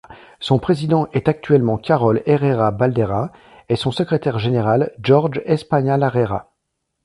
Son président est actuellement Kjarol Herrera Balderas et son secrétaire général Jorge España Larrera.